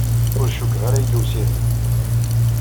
Ur cukkeɣ ara yella usirem.